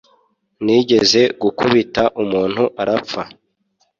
nigeze gukubita umuntu arapfa